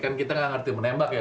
kan kita nggak ngerti menembak ya